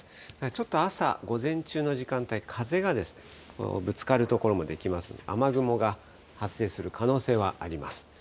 ちょっと朝、午前中の時間帯、風がぶつかる所も出来ますので、雨雲が発生する可能性はあります。